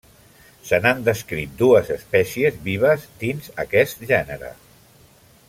Se n'han descrit dues espècies vives dins aquest gènere.